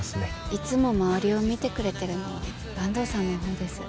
いつも周りを見てくれてるのは坂東さんのほうです。